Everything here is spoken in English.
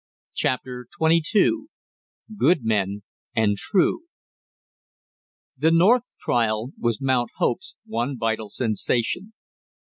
CHAPTER TWENTY TWO GOOD MEN AND TRUE The North trial was Mount Hope's one vital sensation.